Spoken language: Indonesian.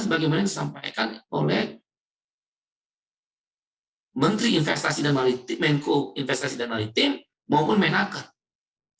sebagaimana yang disampaikan oleh menteri investasi dan maritim maupun menaker